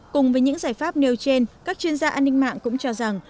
cùng với những giải pháp nêu trên các chuyên gia an ninh mạng cũng cho rằng